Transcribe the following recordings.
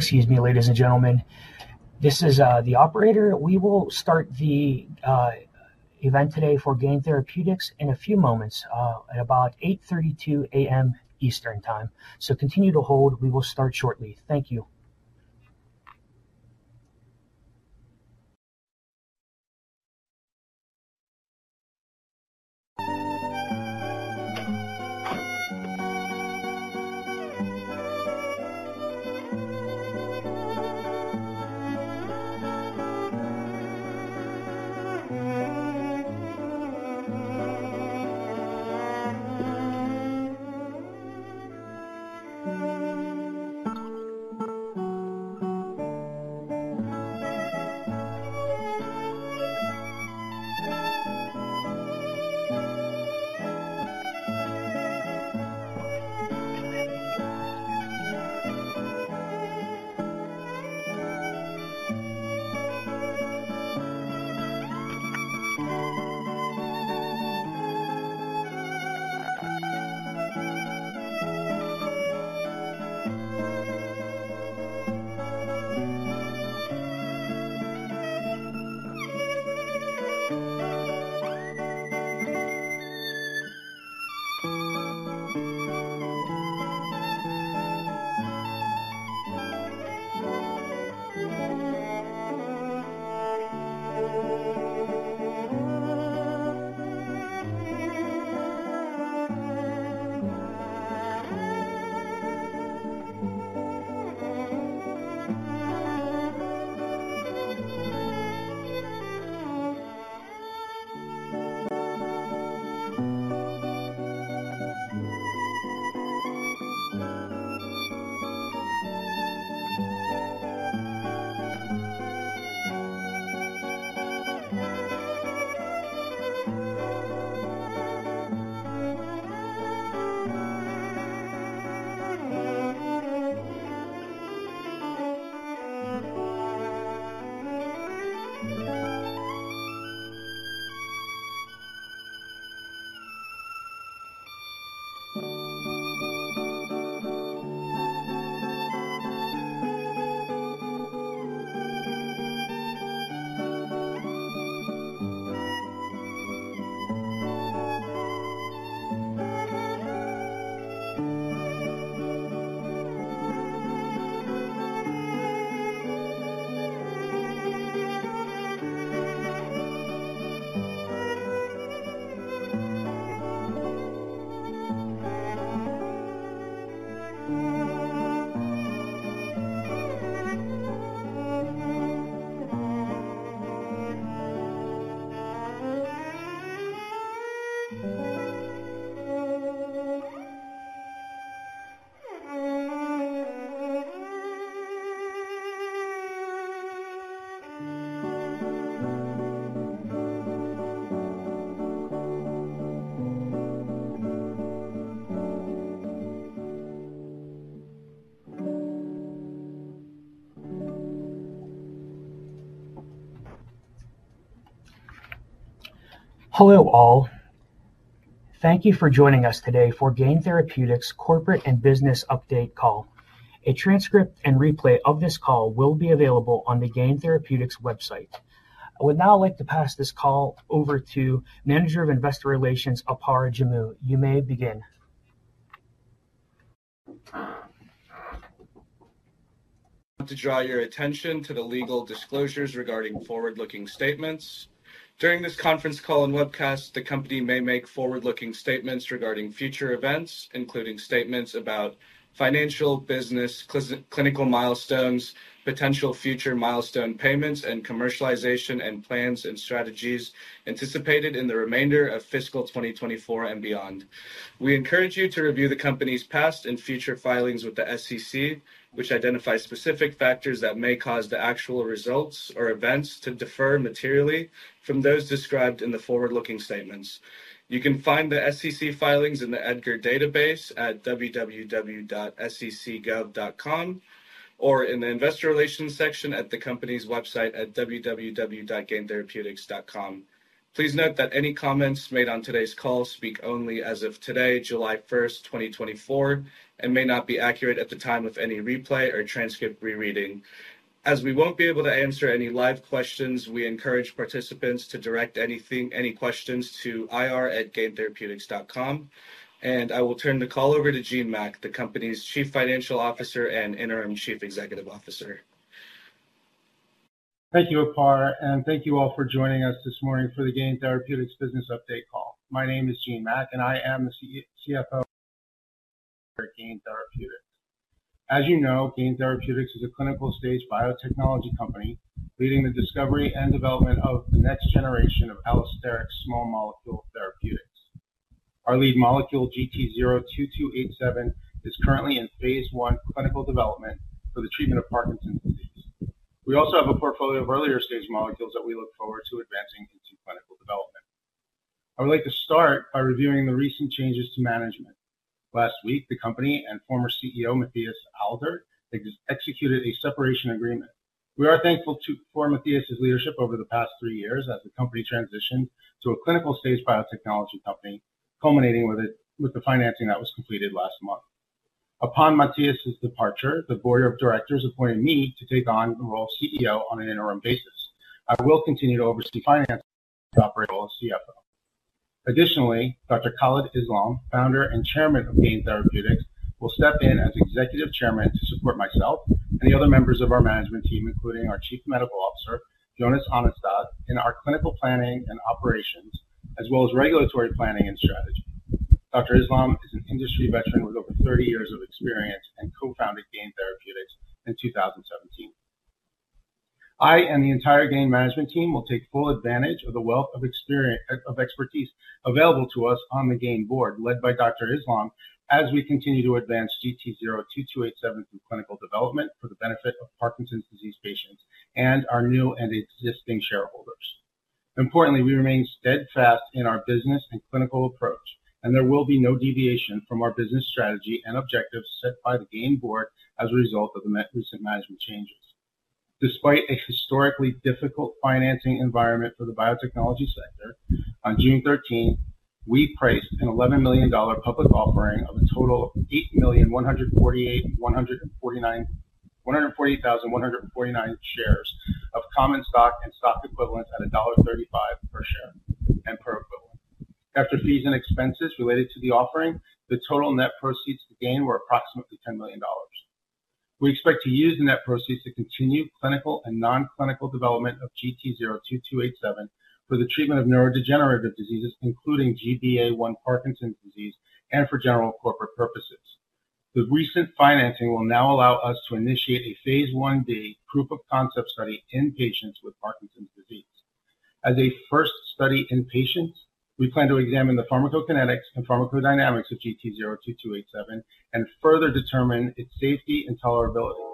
Excuse me, ladies and gentlemen. This is the operator. We will start the event today for Gain Therapeutics in a few moments at about 8:32 A.M. Eastern Time. So continue to hold. We will start shortly. Thank you. Hello, all. Thank you for joining us today for Gain Therapeutics Corporate and Business Update Call. A transcript and replay of this call will be available on the Gain Therapeutics website. I would now like to pass this call over to Manager of Investor Relations, Apaar Jammu. You may begin. To draw your attention to the legal disclosures regarding forward-looking statements. During this conference call and webcast, the company may make forward-looking statements regarding future events, including statements about financial, business, clinical milestones, potential future milestone payments, and commercialization and plans and strategies anticipated in the remainder of fiscal 2024 and beyond. We encourage you to review the company's past and future filings with the SEC, which identify specific factors that may cause the actual results or events to differ materially from those described in the forward-looking statements. You can find the SEC filings in the EDGAR database at www.sec.gov, or in the investor relations section at the company's website at www.Gaintherapeutics.com. Please note that any comments made on today's call speak only as of today, July 1, 2024, and may not be accurate at the time of any replay or transcript rereading. As we won't be able to answer any live questions, we encourage participants to direct anything, any questions to ir@Gaintherapeutics.com, and I will turn the call over to Gene Mack, the company's Chief Financial Officer and interim Chief Executive Officer. Thank you, Apaar, and thank you all for joining us this morning for the Gain Therapeutics Business Update call. My name is Gene Mack, and I am the CEO, CFO for Gain Therapeutics. As you know, Gain Therapeutics is a clinical-stage biotechnology company, leading the discovery and development of the next generation of allosteric small molecule therapeutics. Our lead molecule, GT-02287, is currently in Phase I clinical development for the treatment of Parkinson's disease. We also have a portfolio of earlier stage molecules that we look forward to advancing into clinical development. I would like to start by reviewing the recent changes to management. Last week, the company and former CEO, Matthias Alder, executed a separation agreement.... We are thankful for Matthias's leadership over the past three years as the company transitioned to a clinical-stage biotechnology company, culminating with the financing that was completed last month. Upon Matthias's departure, the board of directors appointed me to take on the role of CEO on an interim basis. I will continue to oversee finance and operate role as CFO. Additionally, Dr. Khalid Islam, founder and chairman of Gain Therapeutics, will step in as executive chairman to support myself and the other members of our management team, including our Chief Medical Officer, Jonas Hannestad, in our clinical planning and operations, as well as regulatory planning and strategy. Dr. Islam is an industry veteran with over 30 years of experience and co-founded Gain Therapeutics in 2017. I and the entire Gain management team will take full advantage of the wealth of experience of expertise available to us on the Gain board, led by Dr. Islam, as we continue to advance GT-02287 through clinical development for the benefit of Parkinson's disease patients and our new and existing shareholders. Importantly, we remain steadfast in our business and clinical approach, and there will be no deviation from our business strategy and objectives set by the Gain board as a result of the recent management changes. Despite a historically difficult financing environment for the biotechnology sector, on June 13th, we priced an $11 million public offering of a total of 8,148,149 shares of common stock and stock equivalents at $1.35 per share and per equivalent. After fees and expenses related to the offering, the total net proceeds to Gain were approximately $10 million. We expect to use the net proceeds to continue clinical and non-clinical development of GT-02287 for the treatment of neurodegenerative diseases, including GBA1 Parkinson's disease and for general corporate purposes. The recent financing will now allow us to initiate a Phase 1b proof-of-concept study in patients with Parkinson's disease. As a first study in patients, we plan to examine the pharmacokinetics and pharmacodynamics of GT-02287 and further determine its safety and tolerability,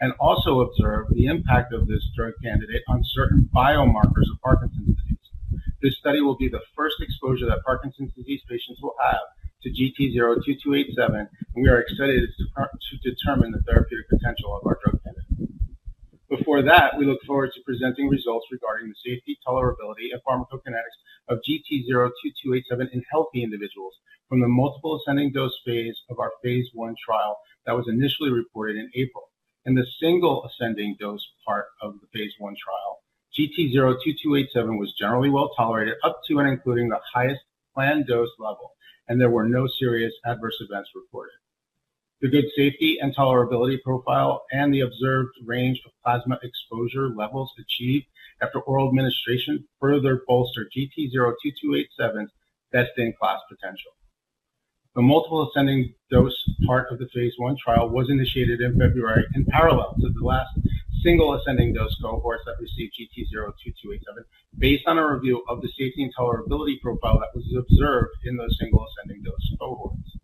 and also observe the impact of this drug candidate on certain biomarkers of Parkinson's disease. This study will be the first exposure that Parkinson's disease patients will have to GT-02287, and we are excited to determine the therapeutic potential of our drug candidate. Before that, we look forward to presenting results regarding the safety, tolerability, and pharmacokinetics of GT-02287 in healthy individuals from the multiple ascending dose phase of our Phase I trial that was initially reported in April. In the single ascending dose part of the Phase I trial, GT-02287 was generally well tolerated up to and including the highest planned dose level, and there were no serious adverse events reported. The good safety and tolerability profile and the observed range of plasma exposure levels achieved after oral administration further bolster GT-02287's best-in-class potential. The multiple ascending dose part of the Phase I trial was initiated in February in parallel to the last single ascending dose cohorts that received GT-02287, based on a review of the safety and tolerability profile that was observed in those single ascending dose cohorts.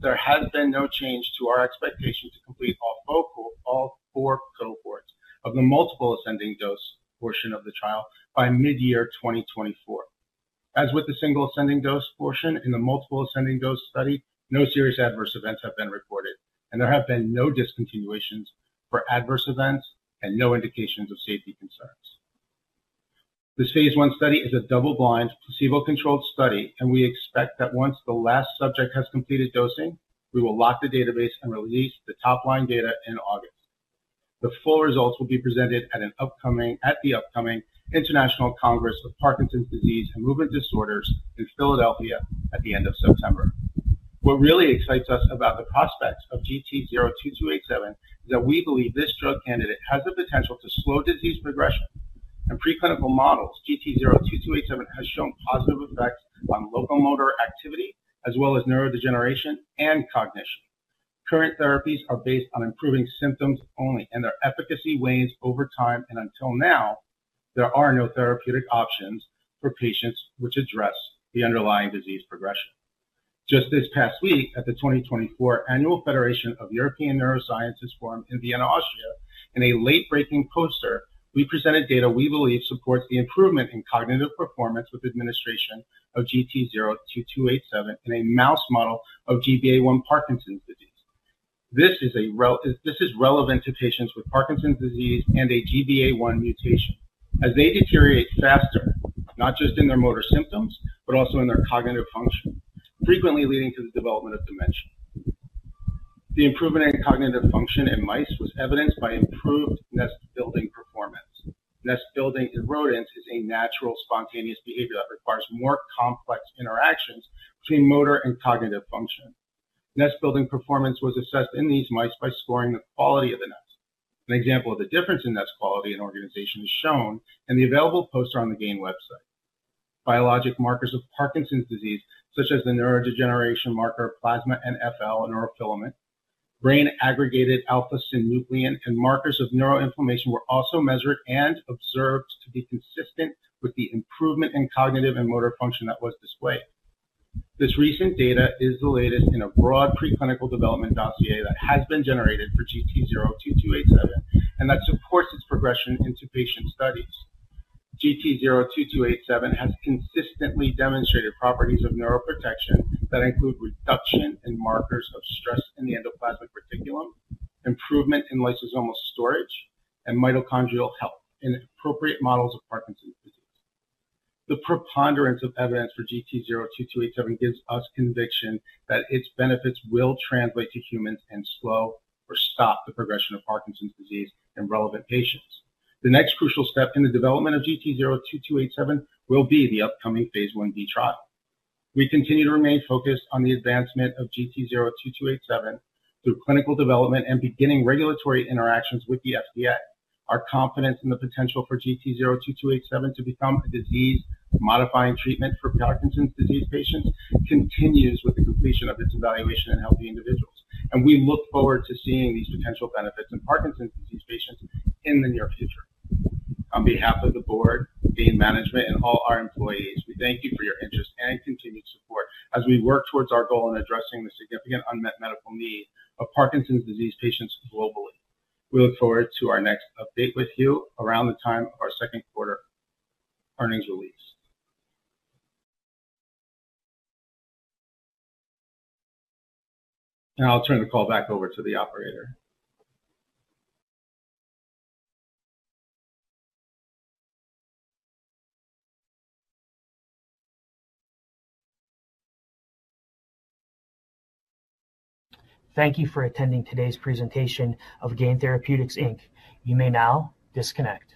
There has been no change to our expectation to complete all four cohorts of the multiple ascending dose portion of the trial by midyear 2024. As with the single ascending dose portion in the multiple ascending dose study, no serious adverse events have been reported, and there have been no discontinuations for adverse events and no indications of safety concerns. This Phase I study is a double-blind, placebo-controlled study, and we expect that once the last subject has completed dosing, we will lock the database and release the top-line data in August. The full results will be presented at the upcoming International Congress of Parkinson’s Disease and Movement Disorders in Philadelphia at the end of September. What really excites us about the prospects of GT-02287 is that we believe this drug candidate has the potential to slow disease progression. In preclinical models, GT-02287 has shown positive effects on locomotor activity, as well as neurodegeneration and cognition. Current therapies are based on improving symptoms only, and their efficacy wanes over time, and until now, there are no therapeutic options for patients which address the underlying disease progression. Just this past week, at the 2024 Annual Federation of European Neuroscience Societies Forum in Vienna, Austria, in a late-breaking poster, we presented data we believe supports the improvement in cognitive performance with administration of GT-02287 in a mouse model of GBA1 Parkinson’s disease. This is relevant to patients with Parkinson’s disease and a GBA1 mutation, as they deteriorate faster, not just in their motor symptoms, but also in their cognitive function, frequently leading to the development of dementia. The improvement in cognitive function in mice was evidenced by improved nest-building performance. Nest-building in rodents is a natural, spontaneous behavior that requires more complex interactions between motor and cognitive function. Nest-building performance was assessed in these mice by scoring the quality of the nest. An example of the difference in nest quality and organization is shown in the available poster on the Gain website. Biological markers of Parkinson’s disease, such as the neurodegeneration marker of plasma NfL neurofilament, brain aggregated alpha-synuclein, and markers of neuroinflammation, were also measured and observed to be consistent with the improvement in cognitive and motor function that was displayed. This recent data is the latest in a broad preclinical development dossier that has been generated for GT-02287, and that supports its progression into patient studies. GT-02287 has consistently demonstrated properties of neuroprotection that include reduction in markers of stress in the endoplasmic reticulum, improvement in lysosomal storage, and mitochondrial health in appropriate models of Parkinson’s disease. The preponderance of evidence for GT-02287 gives us conviction that its benefits will translate to humans and slow or stop the progression of Parkinson's disease in relevant patients. The next crucial step in the development of GT-02287 will be the upcoming Phase 1b trial. We continue to remain focused on the advancement of GT-02287 through clinical development and beginning regulatory interactions with the FDA. Our confidence in the potential for GT-02287 to become a disease-modifying treatment for Parkinson's disease patients continues with the completion of its evaluation in healthy individuals, and we look forward to seeing these potential benefits in Parkinson's disease patients in the near future. On behalf of the board, Gain management, and all our employees, we thank you for your interest and continued support as we work towards our goal in addressing the significant unmet medical need of Parkinson's disease patients globally. We look forward to our next update with you around the time of our second quarter earnings release. Now I'll turn the call back over to the operator. Thank you for attending today's presentation of Gain Therapeutics, Inc. You may now disconnect.